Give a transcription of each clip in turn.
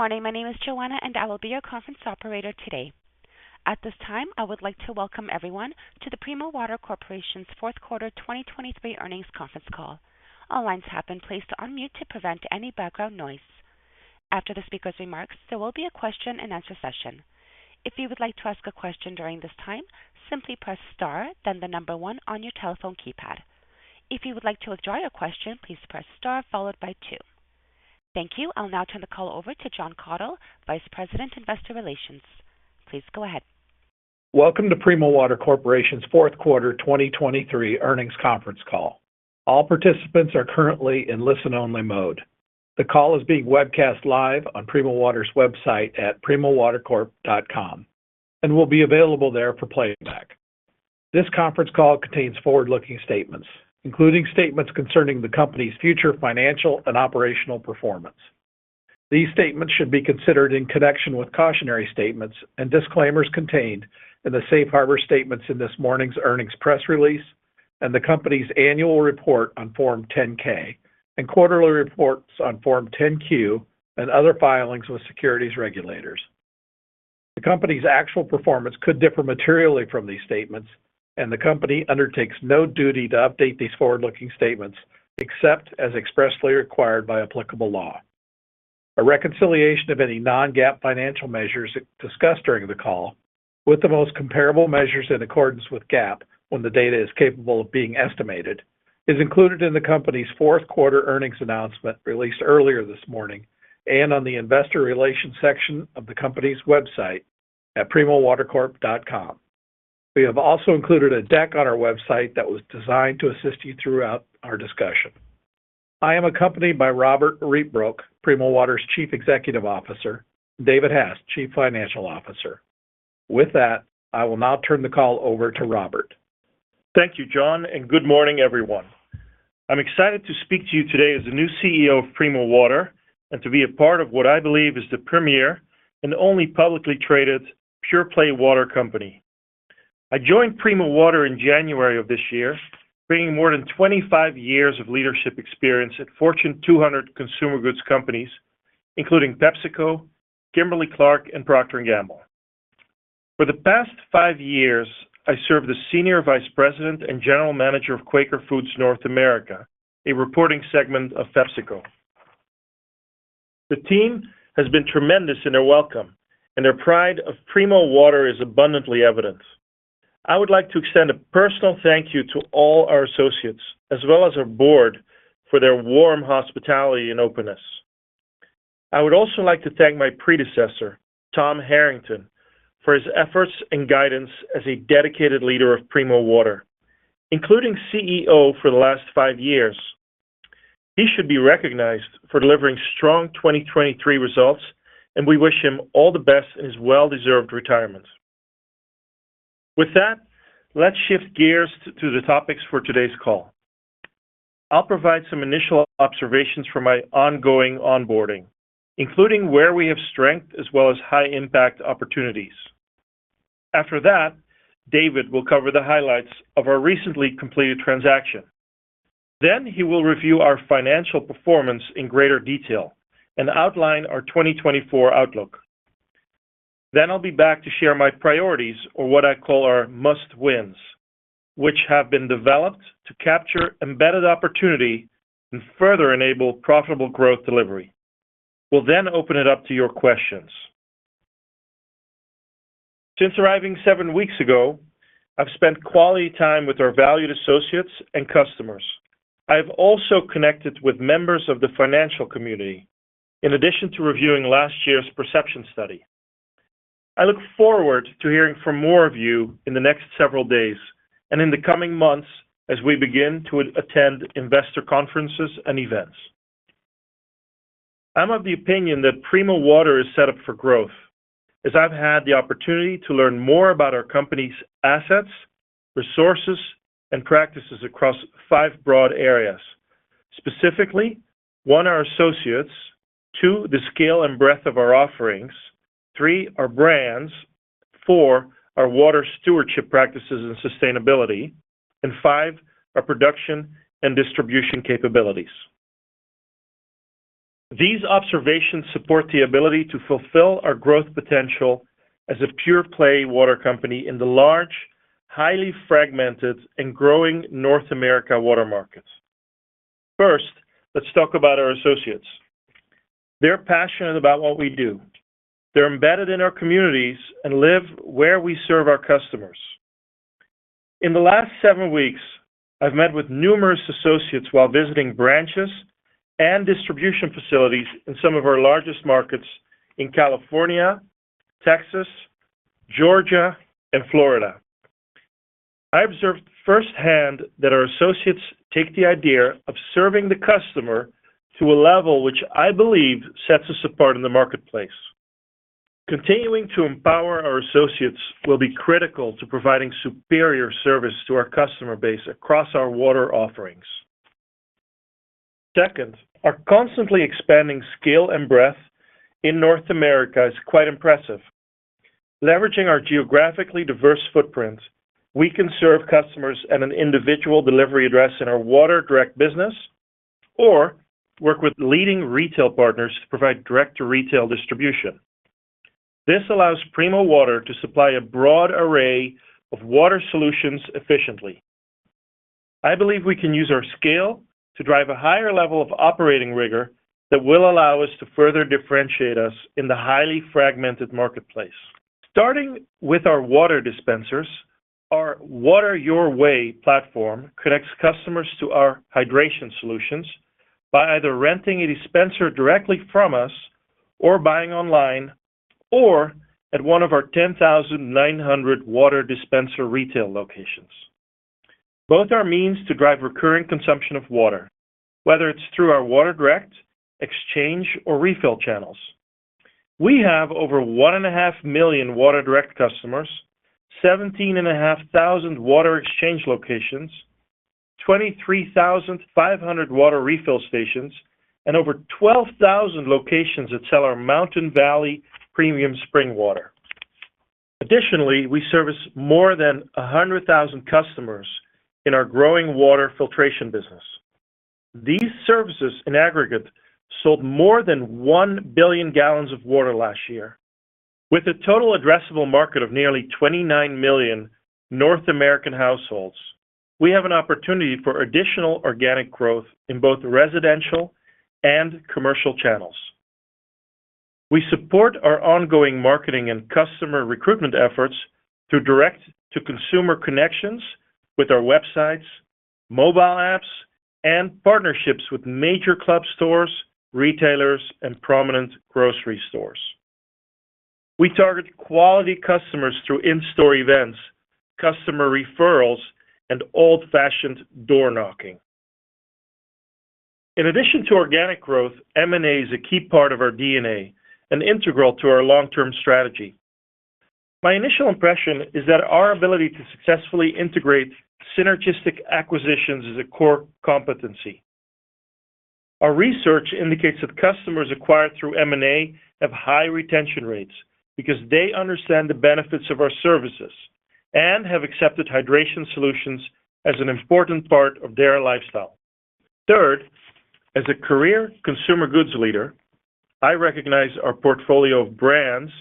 Good morning. My name is Joanna, and I will be your conference operator today. At this time, I would like to welcome everyone to the Primo Water Corporation's fourth quarter 2023 earnings conference call. All lines have been placed on mute to prevent any background noise. After the speaker's remarks, there will be a question-and-answer session. If you would like to ask a question during this time, simply press star, then the number one on your telephone keypad. If you would like to withdraw your question, please press star followed by two. Thank you. I'll now turn the call over to Jon Kathol, Vice President, Investor Relations. Please go ahead. Welcome to Primo Water Corporation's fourth quarter 2023 earnings conference call. All participants are currently in listen-only mode. The call is being webcast live on Primo Water's website at primowatercorp.com and will be available there for playback. This conference call contains forward-looking statements, including statements concerning the company's future financial and operational performance. These statements should be considered in connection with cautionary statements and disclaimers contained in the Safe Harbor statements in this morning's earnings press release, and the company's annual report on Form 10-K, and quarterly reports on Form 10-Q, and other filings with securities regulators. The company's actual performance could differ materially from these statements, and the company undertakes no duty to update these forward-looking statements except as expressly required by applicable law. A reconciliation of any non-GAAP financial measures discussed during the call with the most comparable measures in accordance with GAAP when the data is capable of being estimated is included in the company's fourth quarter earnings announcement released earlier this morning and on the investor relations section of the company's website at primowater.com. We have also included a deck on our website that was designed to assist you throughout our discussion. I am accompanied by Robbert Rietbroek, Primo Water's Chief Executive Officer, and David Hass, Chief Financial Officer. With that, I will now turn the call over to Robbert. Thank you, Jon, and good morning, everyone. I'm excited to speak to you today as the new CEO of Primo Water and to be a part of what I believe is the premier and only publicly traded pure-play water company. I joined Primo Water in January of this year, bringing more than 25 years of leadership experience at Fortune 200 consumer goods companies, including PepsiCo, Kimberly-Clark, and Procter & Gamble. For the past five years, I served as Senior Vice President and General Manager of Quaker Foods North America, a reporting segment of PepsiCo. The team has been tremendous in their welcome, and their pride of Primo Water is abundantly evident. I would like to extend a personal thank you to all our associates as well as our board for their warm hospitality and openness. I would also like to thank my predecessor, Tom Harrington, for his efforts and guidance as a dedicated leader of Primo Water, including CEO for the last five years. He should be recognized for delivering strong 2023 results, and we wish him all the best in his well-deserved retirement. With that, let's shift gears to the topics for today's call. I'll provide some initial observations from my ongoing onboarding, including where we have strength as well as high-impact opportunities. After that, David will cover the highlights of our recently completed transaction. Then he will review our financial performance in greater detail and outline our 2024 outlook. Then I'll be back to share my priorities, or what I call our must-wins, which have been developed to capture embedded opportunity and further enable profitable growth delivery. We'll then open it up to your questions. Since arriving seven weeks ago, I've spent quality time with our valued associates and customers. I have also connected with members of the financial community in addition to reviewing last year's perception study. I look forward to hearing from more of you in the next several days and in the coming months as we begin to attend investor conferences and events. I'm of the opinion that Primo Water is set up for growth as I've had the opportunity to learn more about our company's assets, resources, and practices across five broad areas. Specifically, one, our associates, two, the scale and breadth of our offerings, three, our brands, four, our water stewardship practices and sustainability, and five, our production and distribution capabilities. These observations support the ability to fulfill our growth potential as a pure-play water company in the large, highly fragmented, and growing North America water markets. First, let's talk about our associates. They're passionate about what we do. They're embedded in our communities and live where we serve our customers. In the last seven weeks, I've met with numerous associates while visiting branches and distribution facilities in some of our largest markets in California, Texas, Georgia, and Florida. I observed firsthand that our associates take the idea of serving the customer to a level which I believe sets us apart in the marketplace. Continuing to empower our associates will be critical to providing superior service to our customer base across our water offerings. Second, our constantly expanding scale and breadth in North America is quite impressive. Leveraging our geographically diverse footprint, we can serve customers at an individual delivery address in our Water Direct business or work with leading retail partners to provide direct-to-retail distribution. This allows Primo Water to supply a broad array of water solutions efficiently. I believe we can use our scale to drive a higher level of operating rigor that will allow us to further differentiate us in the highly fragmented marketplace. Starting with our water dispensers, our Water Your Way platform connects customers to our hydration solutions by either renting a dispenser directly from us or buying online or at one of our 10,900 water dispenser retail locations. Both are means to drive recurring consumption of water, whether it's through our Water Direct, exchange, or refill channels. We have over 1.5 million Water Direct customers, 17,500 Water Exchange locations, 23,500 Water Refill stations, and over 12,000 locations that sell our Mountain Valley Premium Spring Water. Additionally, we service more than 100,000 customers in our growing Water Filtration business. These services in aggregate sold more than 1 billion gallons of water last year. With a total addressable market of nearly 29 million North American households, we have an opportunity for additional organic growth in both residential and commercial channels. We support our ongoing marketing and customer recruitment efforts through direct-to-consumer connections with our websites, mobile apps, and partnerships with major club stores, retailers, and prominent grocery stores. We target quality customers through in-store events, customer referrals, and old-fashioned door-knocking. In addition to organic growth, M&A is a key part of our DNA and integral to our long-term strategy. My initial impression is that our ability to successfully integrate synergistic acquisitions is a core competency. Our research indicates that customers acquired through M&A have high retention rates because they understand the benefits of our services and have accepted hydration solutions as an important part of their lifestyle. Third, as a career consumer goods leader, I recognize our portfolio of brands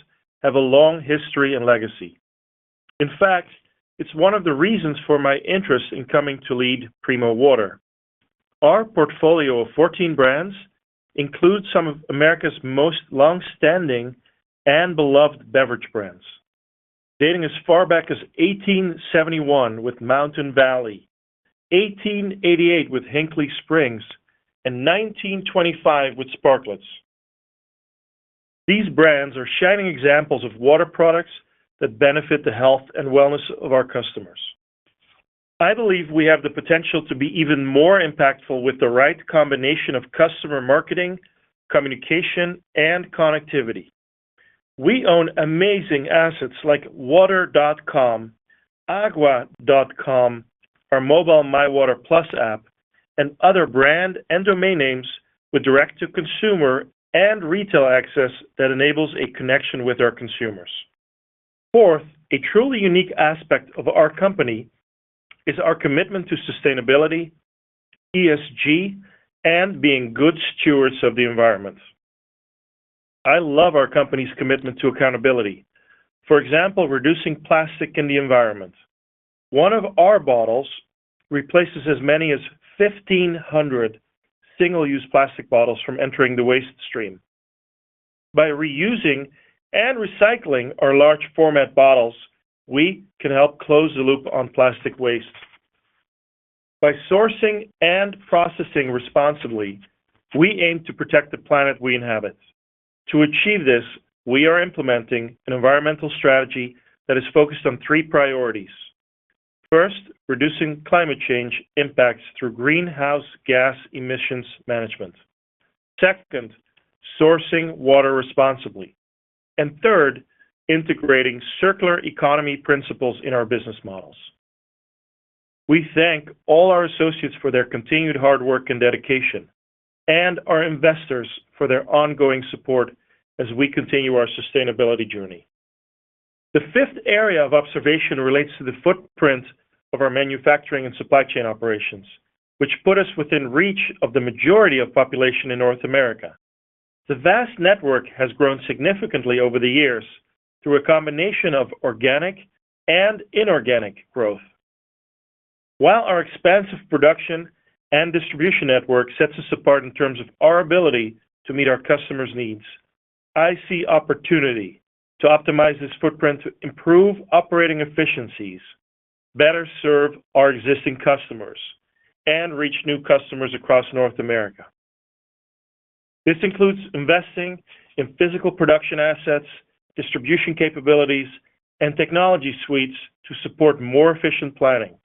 has a long history and legacy. In fact, it's one of the reasons for my interest in coming to lead Primo Water. Our portfolio of 14 brands includes some of America's most longstanding and beloved beverage brands, dating as far back as 1871 with Mountain Valley, 1888 with Hinckley Springs, and 1925 with Sparkletts. These brands are shining examples of water products that benefit the health and wellness of our customers. I believe we have the potential to be even more impactful with the right combination of customer marketing, communication, and connectivity. We own amazing assets like water.com, agua.com, our mobile MyWater+ app, and other brand and domain names with direct-to-consumer and retail access that enables a connection with our consumers. Fourth, a truly unique aspect of our company is our commitment to sustainability, ESG, and being good stewards of the environment. I love our company's commitment to accountability, for example, reducing plastic in the environment. One of our bottles replaces as many as 1,500 single-use plastic bottles from entering the waste stream. By reusing and recycling our large-format bottles, we can help close the loop on plastic waste. By sourcing and processing responsibly, we aim to protect the planet we inhabit. To achieve this, we are implementing an environmental strategy that is focused on three priorities. First, reducing climate change impacts through greenhouse gas emissions management. Second, sourcing water responsibly. And third, integrating circular economy principles in our business models. We thank all our associates for their continued hard work and dedication, and our investors for their ongoing support as we continue our sustainability journey. The fifth area of observation relates to the footprint of our manufacturing and supply chain operations, which put us within reach of the majority of the population in North America. The vast network has grown significantly over the years through a combination of organic and inorganic growth. While our expansive production and distribution network sets us apart in terms of our ability to meet our customers' needs, I see opportunity to optimize this footprint to improve operating efficiencies, better serve our existing customers, and reach new customers across North America. This includes investing in physical production assets, distribution capabilities, and technology suites to support more efficient planning.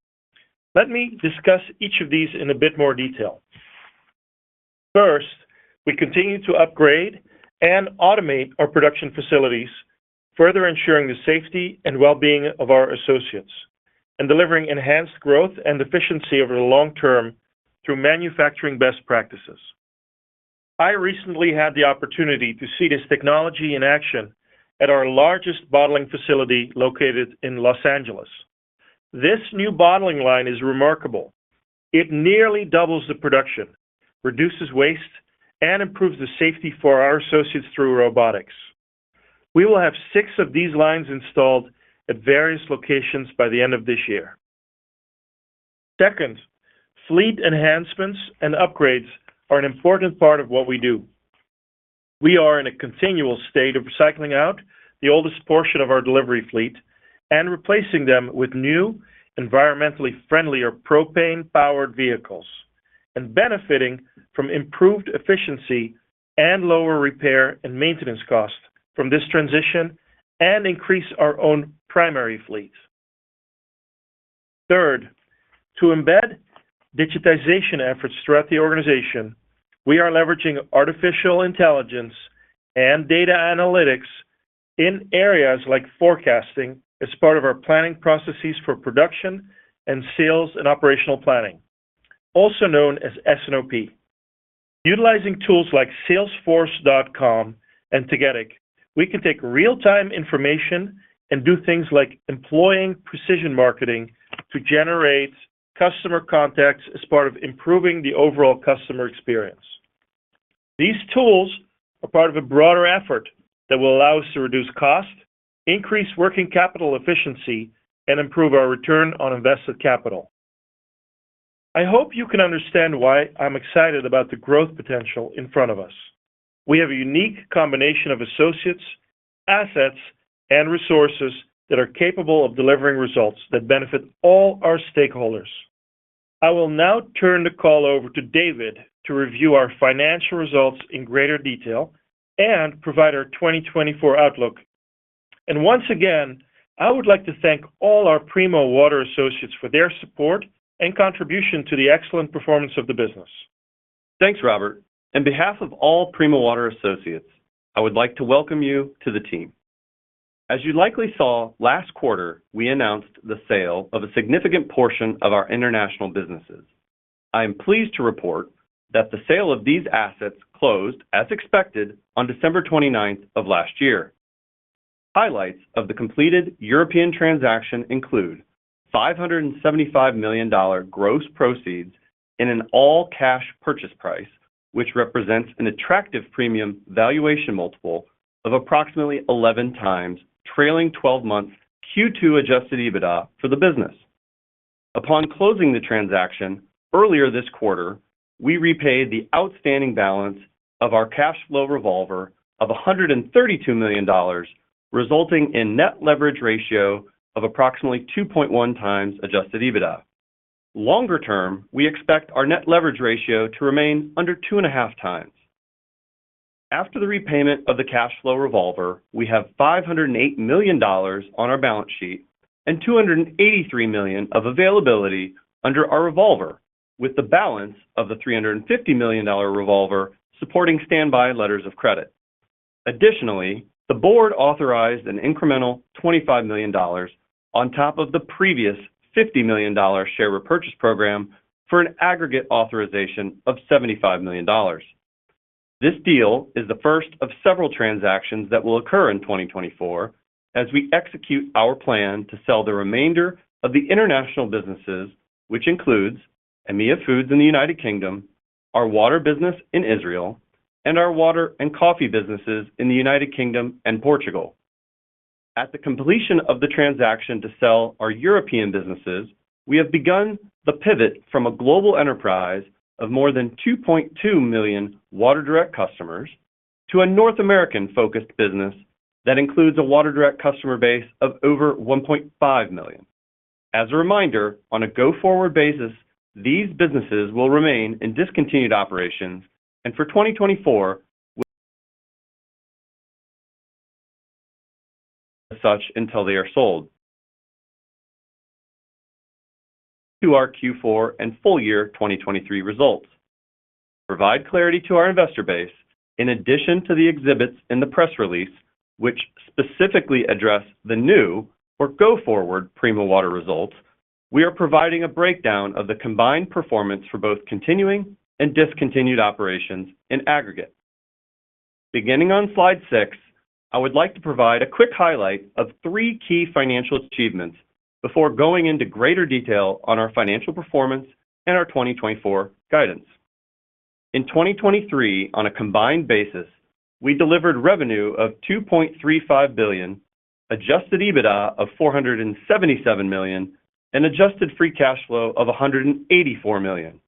Let me discuss each of these in a bit more detail. First, we continue to upgrade and automate our production facilities, further ensuring the safety and well-being of our associates and delivering enhanced growth and efficiency over the long term through manufacturing best practices. I recently had the opportunity to see this technology in action at our largest bottling facility located in Los Angeles. This new bottling line is remarkable. It nearly doubles the production, reduces waste, and improves the safety for our associates through robotics. We will have six of these lines installed at various locations by the end of this year. Second, fleet enhancements and upgrades are an important part of what we do. We are in a continual state of recycling out the oldest portion of our delivery fleet and replacing them with new, environmentally friendlier propane-powered vehicles and benefiting from improved efficiency and lower repair and maintenance costs from this transition and increase our own primary fleet. Third, to embed digitization efforts throughout the organization, we are leveraging artificial intelligence and data analytics in areas like forecasting as part of our planning processes for production and sales and operational planning, also known as S&OP. Utilizing tools like Salesforce.com and CCH Tagetik, we can take real-time information and do things like employing precision marketing to generate customer contacts as part of improving the overall customer experience. These tools are part of a broader effort that will allow us to reduce cost, increase working capital efficiency, and improve our return on invested capital. I hope you can understand why I'm excited about the growth potential in front of us. We have a unique combination of associates, assets, and resources that are capable of delivering results that benefit all our stakeholders. I will now turn the call over to David to review our financial results in greater detail and provide our 2024 outlook. Once again, I would like to thank all our Primo Water associates for their support and contribution to the excellent performance of the business. Thanks, Robbert. On behalf of all Primo Water associates, I would like to welcome you to the team. As you likely saw last quarter, we announced the sale of a significant portion of our international businesses. I am pleased to report that the sale of these assets closed as expected on December 29th of last year. Highlights of the completed European transaction include $575 million gross proceeds in an all-cash purchase price, which represents an attractive premium valuation multiple of approximately 11x trailing 12-month Q2 Adjusted EBITDA for the business. Upon closing the transaction earlier this quarter, we repaid the outstanding balance of our cash flow revolver of $132 million, resulting in a net leverage ratio of approximately 2.1 times Adjusted EBITDA. Longer term, we expect our net leverage ratio to remain under 2.5 times. After the repayment of the cash flow revolver, we have $508 million on our balance sheet and $283 million of availability under our revolver, with the balance of the $350 million revolver supporting standby letters of credit. Additionally, the board authorized an incremental $25 million on top of the previous $50 million share repurchase program for an aggregate authorization of $75 million. This deal is the first of several transactions that will occur in 2024 as we execute our plan to sell the remainder of the international businesses, which includes EMEA Foods in the United Kingdom, our water business in Israel, and our water and coffee businesses in the United Kingdom and Portugal. At the completion of the transaction to sell our European businesses, we have begun the pivot from a global enterprise of more than 2.2 million Water Direct customers to a North American-focused business that includes a Water Direct customer base of over 1.5 million. As a reminder, on a go-forward basis, these businesses will remain in discontinued operations, and for 2024, we will as such until they are sold. To our Q4 and full-year 2023 results, to provide clarity to our investor base, in addition to the exhibits in the press release which specifically address the new or go-forward Primo Water results, we are providing a breakdown of the combined performance for both continuing and discontinued operations in aggregate. Beginning on slide 6, I would like to provide a quick highlight of three key financial achievements before going into greater detail on our financial performance and our 2024 guidance. In 2023, on a combined basis, we delivered revenue of $2.35 billion, adjusted EBITDA of $477 million, and adjusted free cash flow of $184 million,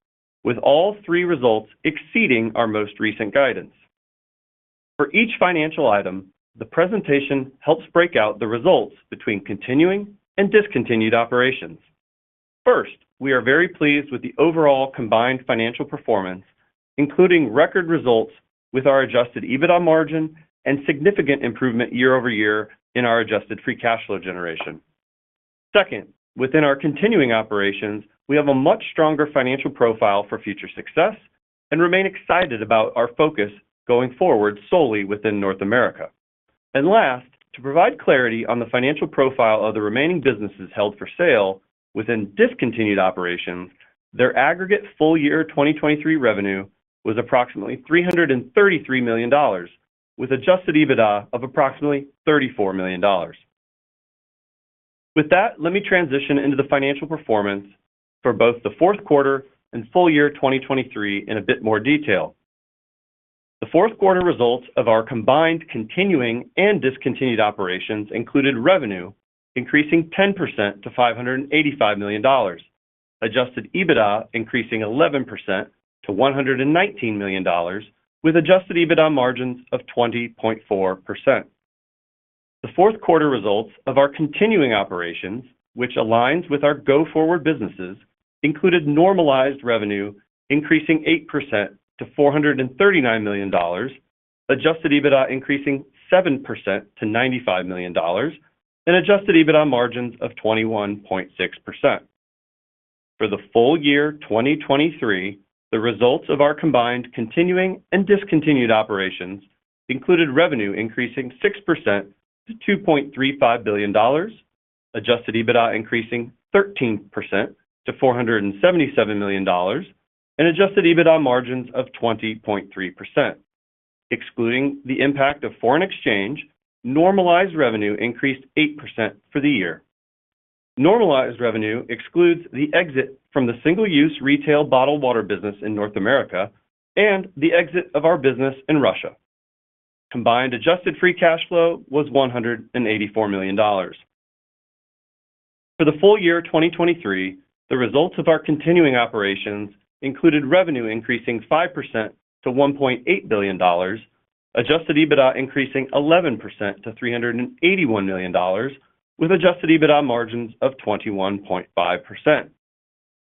with all three results exceeding our most recent guidance. For each financial item, the presentation helps break out the results between continuing and discontinued operations. First, we are very pleased with the overall combined financial performance, including record results with our Adjusted EBITDA margin and significant improvement year-over-year in our Adjusted Free Cash Flow generation. Second, within our continuing operations, we have a much stronger financial profile for future success and remain excited about our focus going forward solely within North America. And last, to provide clarity on the financial profile of the remaining businesses held for sale within discontinued operations, their aggregate full-year 2023 revenue was approximately $333 million, with Adjusted EBITDA of approximately $34 million. With that, let me transition into the financial performance for both the fourth quarter and full-year 2023 in a bit more detail. The fourth quarter results of our combined continuing and discontinued operations included revenue increasing 10% to $585 million, Adjusted EBITDA increasing 11% to $119 million, with Adjusted EBITDA margins of 20.4%. The fourth quarter results of our continuing operations, which aligns with our go-forward businesses, included normalized revenue increasing 8% to $439 million, Adjusted EBITDA increasing 7% to $95 million, and Adjusted EBITDA margins of 21.6%. For the full year 2023, the results of our combined continuing and discontinued operations included revenue increasing 6% to $2.35 billion, Adjusted EBITDA increasing 13% to $477 million, and Adjusted EBITDA margins of 20.3%. Excluding the impact of foreign exchange, normalized revenue increased 8% for the year. Normalized revenue excludes the exit from the single-use retail bottled water business in North America and the exit of our business in Russia. Combined Adjusted Free Cash Flow was $184 million. For the full year 2023, the results of our continuing operations included revenue increasing 5% to $1.8 billion, Adjusted EBITDA increasing 11% to $381 million, with Adjusted EBITDA margins of 21.5%.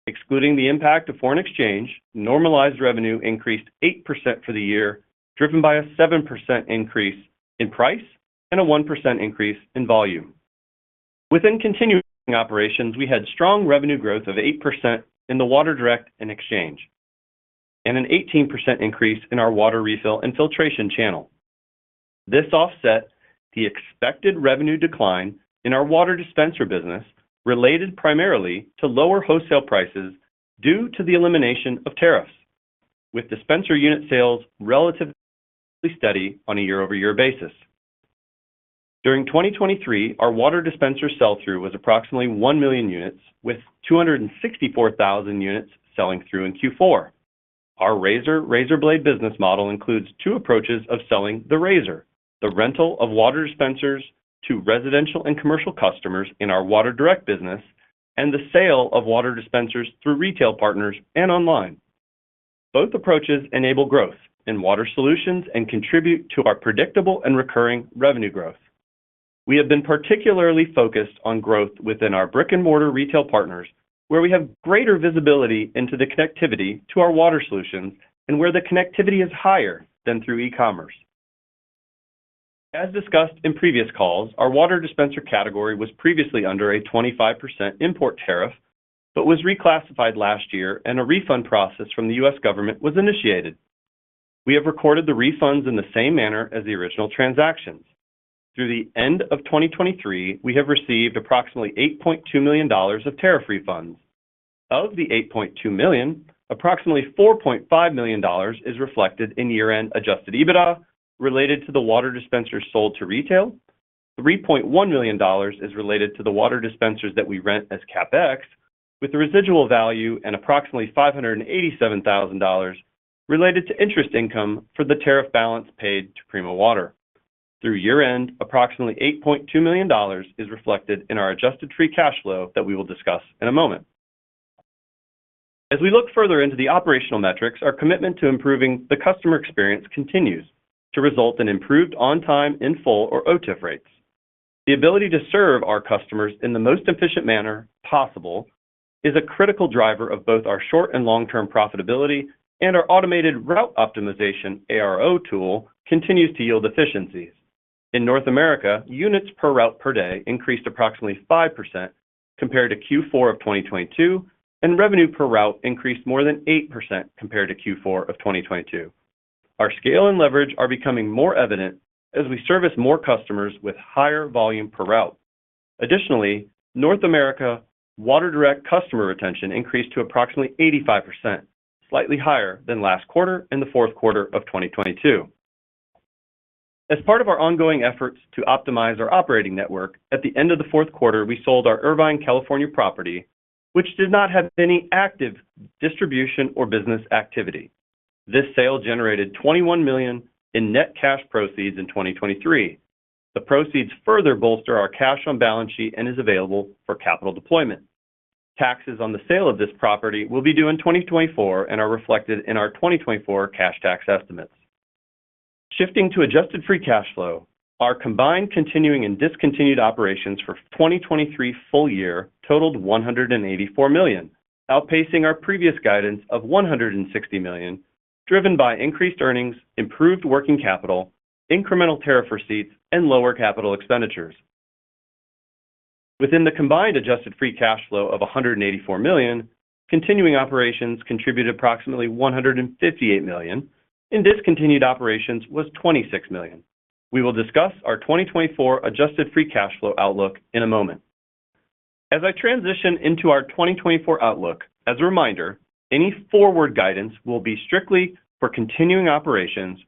Excluding the impact of foreign exchange, normalized revenue increased 8% for the year, driven by a 7% increase in price and a 1% increase in volume. Within continuing operations, we had strong revenue growth of 8% in the water direct and exchange, and an 18% increase in our Water Refill and filtration channel. This offset the expected revenue decline in our water dispenser business related primarily to lower wholesale prices due to the elimination of tariffs, with dispenser unit sales relatively steady on a year-over-year basis. During 2023, our water dispenser sell-through was approximately 1 million units, with 264,000 units selling through in Q4. Our razor-razorblade business model includes two approaches of selling the Razor: the rental of water dispensers to residential and commercial customers in our water direct business, and the sale of water dispensers through retail partners and online. Both approaches enable growth in water solutions and contribute to our predictable and recurring revenue growth. We have been particularly focused on growth within our brick-and-mortar retail partners, where we have greater visibility into the connectivity to our water solutions and where the connectivity is higher than through e-commerce. As discussed in previous calls, our water dispenser category was previously under a 25% import tariff but was reclassified last year, and a refund process from the U.S. government was initiated. We have recorded the refunds in the same manner as the original transactions. Through the end of 2023, we have received approximately $8.2 million of tariff refunds. Of the $8.2 million, approximately $4.5 million is reflected in year-end Adjusted EBITDA related to the water dispensers sold to retail, $3.1 million is related to the water dispensers that we rent as CapEx, with a residual value and approximately $587,000 related to interest income for the tariff balance paid to Primo Water. Through year-end, approximately $8.2 million is reflected in our Adjusted Free Cash Flow that we will discuss in a moment. As we look further into the operational metrics, our commitment to improving the customer experience continues to result in improved on-time, in-full, or OTIF rates. The ability to serve our customers in the most efficient manner possible is a critical driver of both our short and long-term profitability, and our Automated Route Optimization (ARO) tool continues to yield efficiencies. In North America, units per route per day increased approximately 5% compared to Q4 of 2022, and revenue per route increased more than 8% compared to Q4 of 2022. Our scale and leverage are becoming more evident as we service more customers with higher volume per route. Additionally, North America Water Direct customer retention increased to approximately 85%, slightly higher than last quarter and the fourth quarter of 2022. As part of our ongoing efforts to optimize our operating network, at the end of the fourth quarter, we sold our Irvine, California property, which did not have any active distribution or business activity. This sale generated $21 million in net cash proceeds in 2023. The proceeds further bolster our cash on balance sheet and are available for capital deployment. Taxes on the sale of this property will be due in 2024 and are reflected in our 2024 cash tax estimates. Shifting to Adjusted Free Cash Flow, our combined continuing and discontinued operations for 2023 full year totaled $184 million, outpacing our previous guidance of $160 million, driven by increased earnings, improved working capital, incremental tariff receipts, and lower capital expenditures. Within the combined Adjusted Free Cash Flow of $184 million, continuing operations contributed approximately $158 million, and discontinued operations was $26 million. We will discuss our 2024 Adjusted Free Cash Flow outlook in a moment. As I transition into our 2024 outlook, as a reminder, any forward guidance will be strictly for continuing operations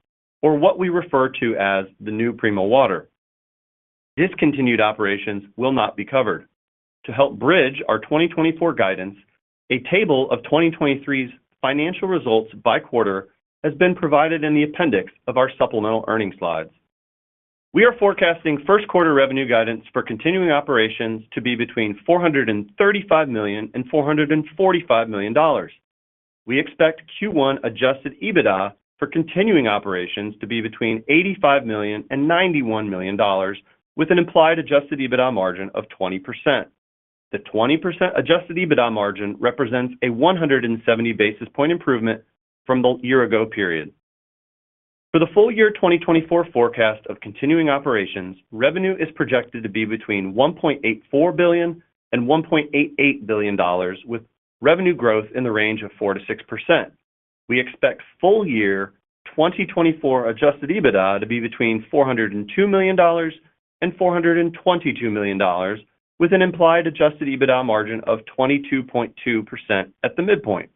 or what we refer to as the new Primo Water. Discontinued operations will not be covered. To help bridge our 2024 guidance, a table of 2023's financial results by quarter has been provided in the appendix of our supplemental earnings slides. We are forecasting first-quarter revenue guidance for continuing operations to be between $435 million and $445 million. We expect Q1 Adjusted EBITDA for continuing operations to be between $85 million and $91 million, with an implied Adjusted EBITDA margin of 20%. The 20% Adjusted EBITDA margin represents a 170 basis point improvement from the year-ago period. For the full year 2024 forecast of continuing operations, revenue is projected to be between $1.84 billion and $1.88 billion, with revenue growth in the range of 4% to 6%. We expect full year 2024 Adjusted EBITDA to be between $402 million and $422 million, with an implied Adjusted EBITDA margin of 22.2% at the midpoint.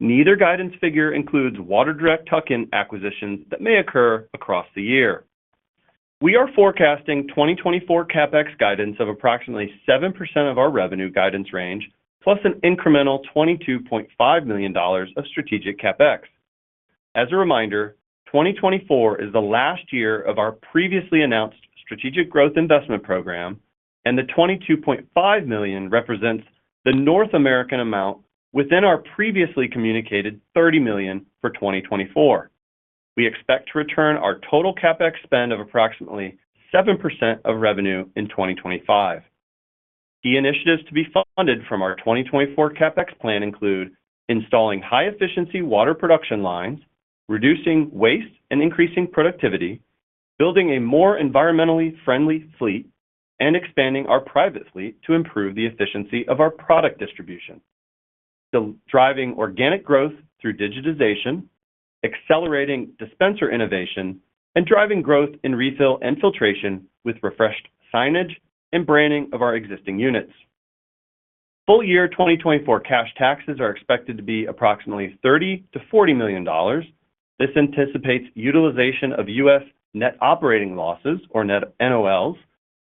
Neither guidance figure includes Water Direct tuck-in acquisitions that may occur across the year. We are forecasting 2024 CapEx guidance of approximately 7% of our revenue guidance range, plus an incremental $22.5 million of strategic CapEx. As a reminder, 2024 is the last year of our previously announced Strategic Growth Investment Program, and the $22.5 million represents the North American amount within our previously communicated $30 million for 2024. We expect to return our total CapEx spend of approximately 7% of revenue in 2025. Key initiatives to be funded from our 2024 CapEx plan include installing high-efficiency water production lines, reducing waste and increasing productivity, building a more environmentally friendly fleet, and expanding our private fleet to improve the efficiency of our product distribution. Driving organic growth through digitization, accelerating dispenser innovation, and driving growth in refill and filtration with refreshed signage and branding of our existing units. Full year 2024 cash taxes are expected to be approximately $30-$40 million. This anticipates utilization of U.S. net operating losses, or net NOLs,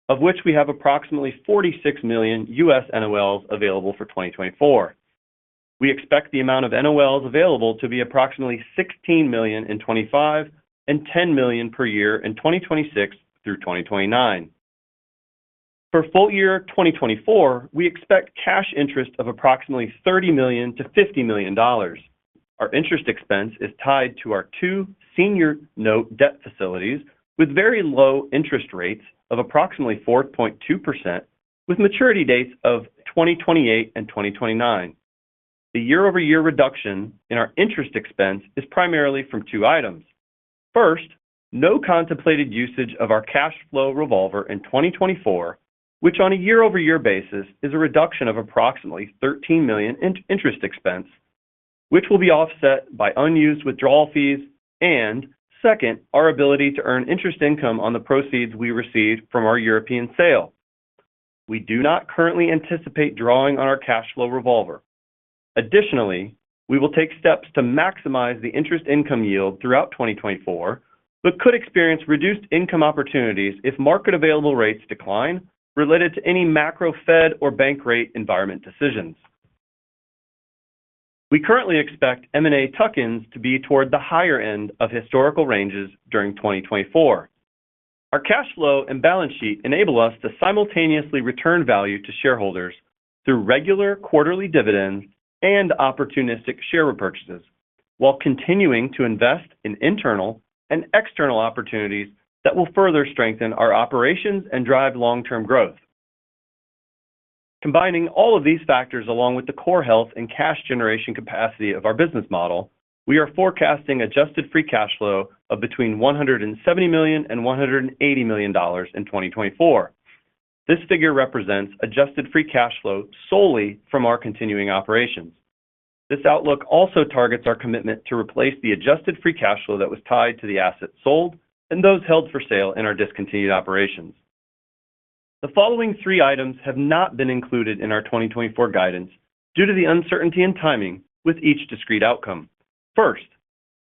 of which we have approximately 46 million U.S. NOLs available for 2024. We expect the amount of NOLs available to be approximately $16 million in 2025 and $10 million per year in 2026 through 2029. For full year 2024, we expect cash interest of approximately $30 million-$50 million. Our interest expense is tied to our two senior-note debt facilities with very low interest rates of approximately 4.2%, with maturity dates of 2028 and 2029. The year-over-year reduction in our interest expense is primarily from two items. First, no contemplated usage of our cash flow revolver in 2024, which on a year-over-year basis is a reduction of approximately $13 million in interest expense, which will be offset by unused withdrawal fees, and second, our ability to earn interest income on the proceeds we receive from our European sale. We do not currently anticipate drawing on our cash flow revolver. Additionally, we will take steps to maximize the interest income yield throughout 2024 but could experience reduced income opportunities if market available rates decline related to any macro Fed or bank-rate environment decisions. We currently expect M&A tuck-ins to be toward the higher end of historical ranges during 2024. Our cash flow and balance sheet enable us to simultaneously return value to shareholders through regular quarterly dividends and opportunistic share repurchases, while continuing to invest in internal and external opportunities that will further strengthen our operations and drive long-term growth. Combining all of these factors along with the core health and cash generation capacity of our business model, we are forecasting Adjusted Free Cash Flow of between $170 million and $180 million in 2024. This figure represents Adjusted Free Cash Flow solely from our continuing operations. This outlook also targets our commitment to replace the adjusted free cash flow that was tied to the assets sold and those held for sale in our discontinued operations. The following three items have not been included in our 2024 guidance due to the uncertainty in timing with each discrete outcome. First,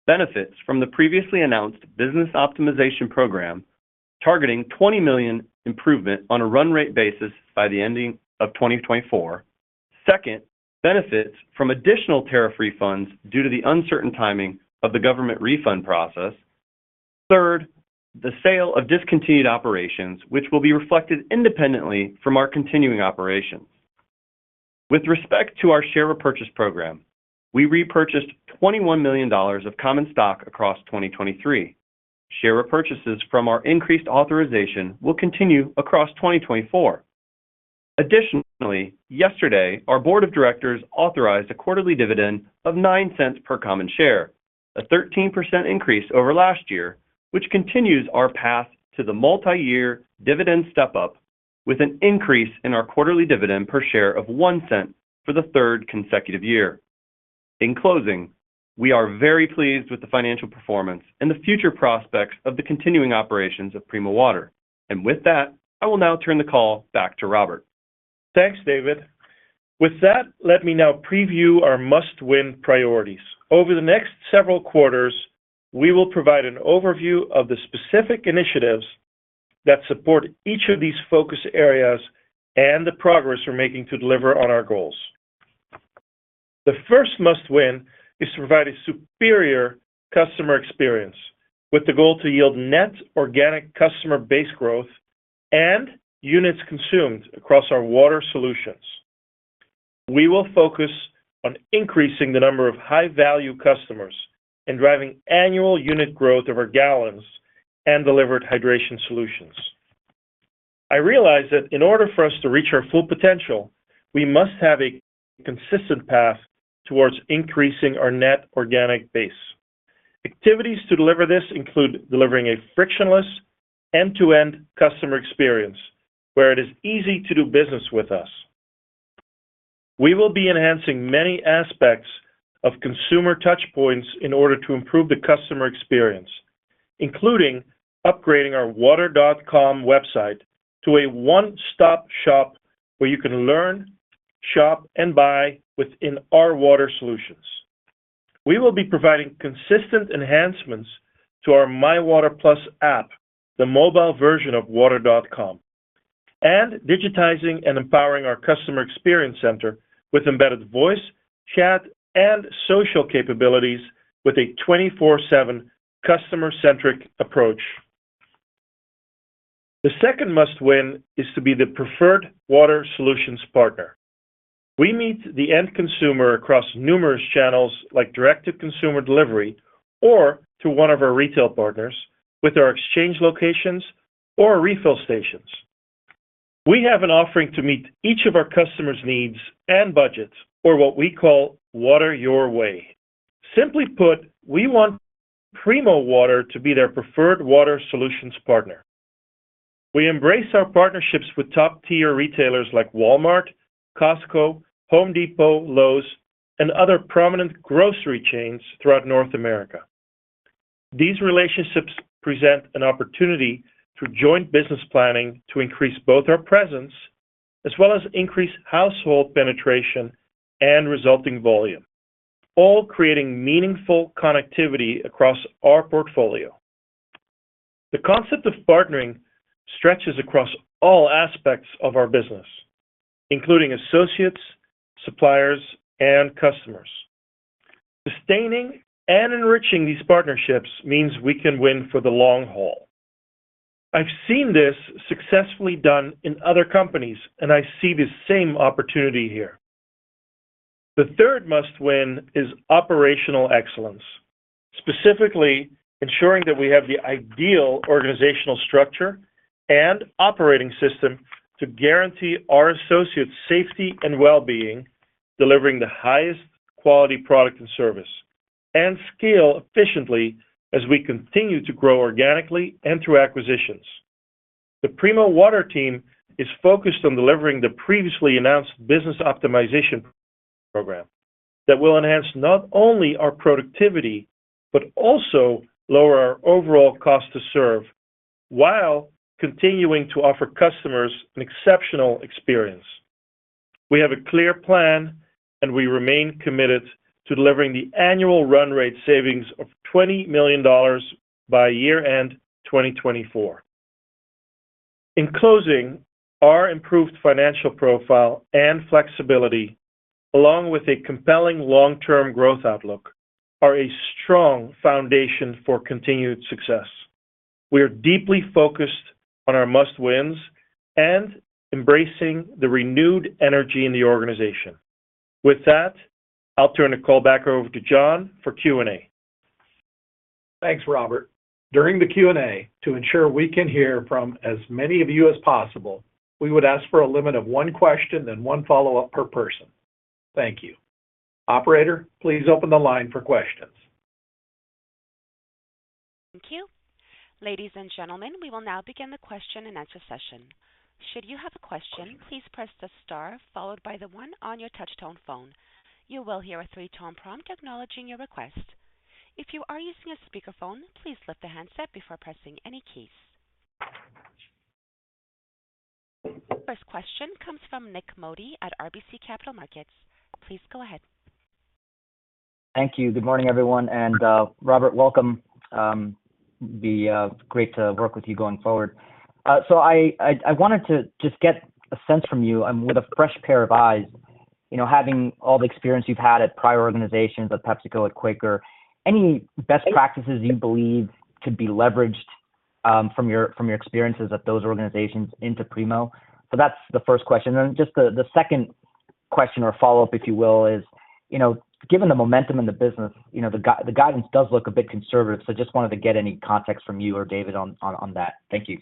benefits from the previously announced business optimization program targeting $20 million improvement on a run-rate basis by the ending of 2024. Second, benefits from additional tariff refunds due to the uncertain timing of the government refund process. Third, the sale of discontinued operations, which will be reflected independently from our continuing operations. With respect to our share repurchase program, we repurchased $21 million of common stock across 2023. Share repurchases from our increased authorization will continue across 2024. Additionally, yesterday, our board of directors authorized a quarterly dividend of $0.09 per common share, a 13% increase over last year, which continues our path to the multi-year dividend step-up, with an increase in our quarterly dividend per share of $0.01 for the third consecutive year. In closing, we are very pleased with the financial performance and the future prospects of the continuing operations of Primo Water. And with that, I will now turn the call back to Robbert. Thanks, David. With that, let me now preview our must-win priorities. Over the next several quarters, we will provide an overview of the specific initiatives that support each of these focus areas and the progress we're making to deliver on our goals. The first must-win is to provide a superior customer experience with the goal to yield net organic customer base growth and units consumed across our water solutions. We will focus on increasing the number of high-value customers and driving annual unit growth of our gallons and delivered hydration solutions. I realize that in order for us to reach our full potential, we must have a consistent path towards increasing our net organic base. Activities to deliver this include delivering a frictionless end-to-end customer experience where it is easy to do business with us. We will be enhancing many aspects of consumer touchpoints in order to improve the customer experience, including upgrading our water.com website to a one-stop shop where you can learn, shop, and buy within our water solutions. We will be providing consistent enhancements to our MyWater+ app, the mobile version of water.com, and digitizing and empowering our customer experience center with embedded voice, chat, and social capabilities with a 24/7 customer-centric approach. The second must-win is to be the preferred water solutions partner. We meet the end consumer across numerous channels like direct-to-consumer delivery or to one of our retail partners with our exchange locations or refill stations. We have an offering to meet each of our customers' needs and budgets or what we call Water Your Way. Simply put, we want Primo Water to be their preferred water solutions partner. We embrace our partnerships with top-tier retailers like Walmart, Costco, Home Depot, Lowe's, and other prominent grocery chains throughout North America. These relationships present an opportunity through joint business planning to increase both our presence as well as increase household penetration and resulting volume, all creating meaningful connectivity across our portfolio. The concept of partnering stretches across all aspects of our business, including associates, suppliers, and customers. Sustaining and enriching these partnerships means we can win for the long haul. I've seen this successfully done in other companies, and I see the same opportunity here. The third must-win is operational excellence, specifically ensuring that we have the ideal organizational structure and operating system to guarantee our associates' safety and well-being, delivering the highest quality product and service, and scale efficiently as we continue to grow organically and through acquisitions. The Primo Water team is focused on delivering the previously announced business optimization program that will enhance not only our productivity but also lower our overall cost to serve while continuing to offer customers an exceptional experience. We have a clear plan, and we remain committed to delivering the annual run-rate savings of $20 million by year-end 2024. In closing, our improved financial profile and flexibility, along with a compelling long-term growth outlook, are a strong foundation for continued success. We are deeply focused on our must-wins and embracing the renewed energy in the organization. With that, I'll turn the call back over to Jon for Q&A. Thanks, Robbert. During the Q&A, to ensure we can hear from as many of you as possible, we would ask for a limit of one question and one follow-up per person. Thank you. Operator, please open the line for questions. Thank you. Ladies and gentlemen, we will now begin the question-and-answer session. Should you have a question, please press the star followed by the 1 on your touch-tone phone. You will hear a three-tone prompt acknowledging your request. If you are using a speakerphone, please lift the handset before pressing any keys. First question comes from Nik Modi at RBC Capital Markets. Please go ahead. Thank you. Good morning, everyone. Robbert, welcome. It'd be great to work with you going forward. I wanted to just get a sense from you (I'm with a fresh pair of eyes) having all the experience you've had at prior organizations, at PepsiCo, at Quaker, any best practices you believe could be leveraged from your experiences at those organizations into Primo. That's the first question. Then just the second question or follow-up, if you will, is given the momentum in the business, the guidance does look a bit conservative, so just wanted to get any context from you or David on that. Thank you.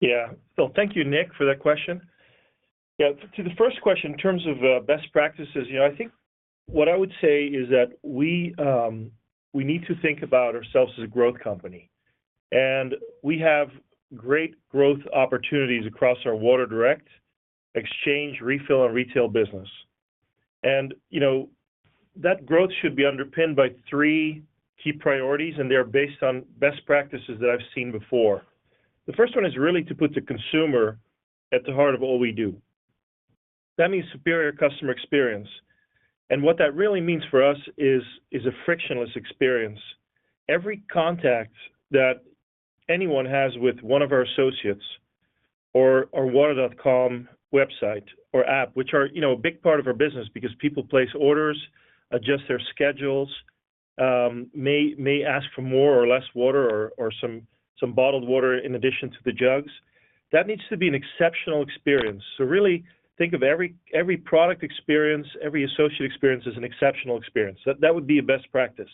Yeah. Thank you, Nik, for that question. Yeah, to the first question, in terms of best practices, I think what I would say is that we need to think about ourselves as a growth company. We have great growth opportunities across our Water Direct, Exchange, Refill, and retail business. That growth should be underpinned by three key priorities, and they're based on best practices that I've seen before. The first one is really to put the consumer at the heart of all we do. That means superior customer experience. What that really means for us is a frictionless experience. Every contact that anyone has with one of our associates or our water.com website or app, which are a big part of our business because people place orders, adjust their schedules, may ask for more or less water or some bottled water in addition to the jugs, that needs to be an exceptional experience. So really, think of every product experience, every associate experience as an exceptional experience. That would be a best practice.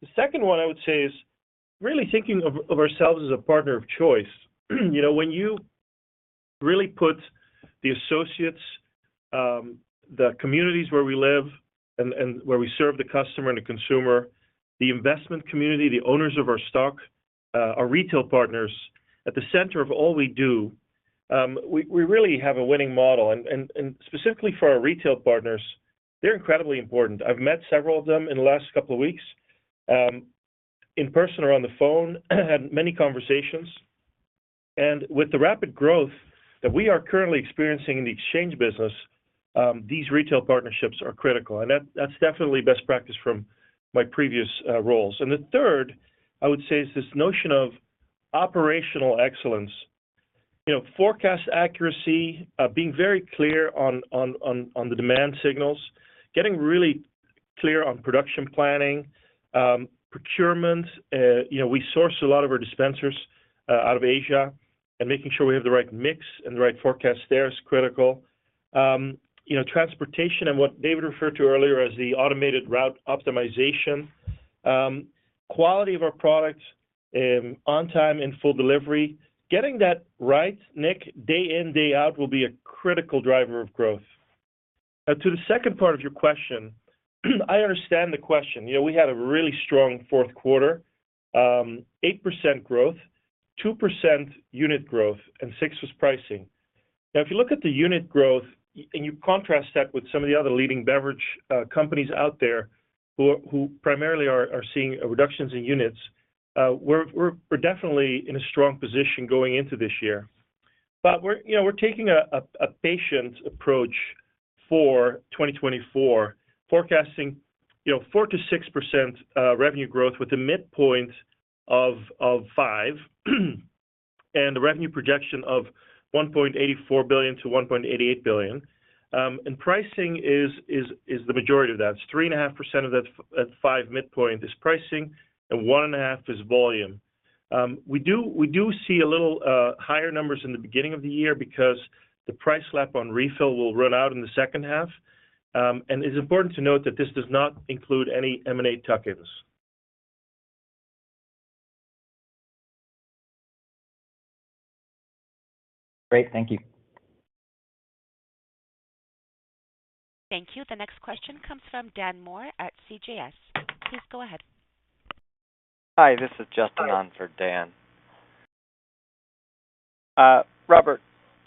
The second one, I would say, is really thinking of ourselves as a partner of choice. When you really put the associates, the communities where we live and where we serve the customer and the consumer, the investment community, the owners of our stock, our retail partners at the center of all we do, we really have a winning model. Specifically for our retail partners, they're incredibly important. I've met several of them in the last couple of weeks, in person or on the phone, had many conversations. And with the rapid growth that we are currently experiencing in the exchange business, these retail partnerships are critical. And that's definitely best practice from my previous roles. And the third, I would say, is this notion of operational excellence: forecast accuracy, being very clear on the demand signals, getting really clear on production planning, procurement. We source a lot of our dispensers out of Asia, and making sure we have the right mix and the right forecast there is critical. Transportation and what David referred to earlier as the Automated Route Optimization, quality of our products on-time, in-full delivery, getting that right, Nik, day in, day out will be a critical driver of growth. Now, to the second part of your question, I understand the question. We had a really strong fourth quarter: 8% growth, 2% unit growth, and 6% was pricing. Now, if you look at the unit growth and you contrast that with some of the other leading beverage companies out there who primarily are seeing reductions in units, we're definitely in a strong position going into this year. But we're taking a patient approach for 2024, forecasting 4%-6% revenue growth with a midpoint of 5% and a revenue projection of $1.84 billion-$1.88 billion. And pricing is the majority of that. It's 3.5% of that 5% midpoint is pricing, and 1.5% is volume. We do see a little higher numbers in the beginning of the year because the price lap on refill will run out in the second half. And it's important to note that this does not include any M&A tuck-ins. Great. Thank you. Thank you. The next question comes from Dan Moore at CJS. Please go ahead. Hi. This is Justin for Dan. Robbert,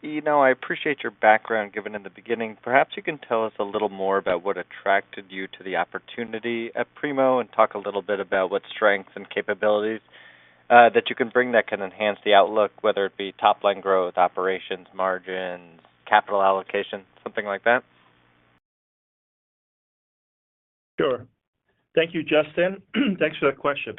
I appreciate your background given in the beginning. Perhaps you can tell us a little more about what attracted you to the opportunity at Primo and talk a little bit about what strengths and capabilities that you can bring that can enhance the outlook, whether it be top-line growth, operations, margins, capital allocation, something like that? Sure. Thank you, Justin. Thanks for that question.